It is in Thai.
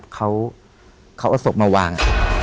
เขาเอาศพมาวาง